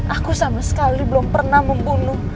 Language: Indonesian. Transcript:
aku sama sekali belum pernah membunuh